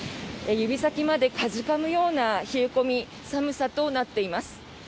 指先までかじかむような冷え込み寒さとなっています。